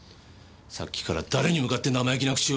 さっきから誰に向かって生意気な口を。